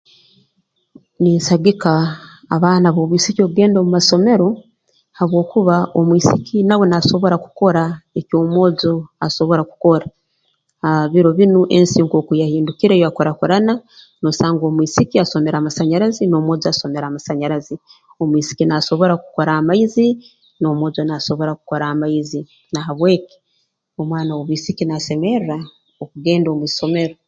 Ninsagika abaana b'obwisiki okugenda omu masomero habwokuba omwisiki nawe naasobora kukora eky'omwojo asobora kukora aah biro binu ensi nkooku yahindukire yakurakurana noosanga omwisiki asomere amasanyarazi n'omwojo asomere amasanyarazi omwisiki naasobora kukora amaizi n'omwojo naasobora kukora amaizi na habweki omwana w'obwisiki naasemerra okugenda omu isomero